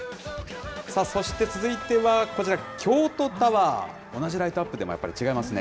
そして続いてはこちら、京都タワー、同じライトアップでもやっぱり違いますね。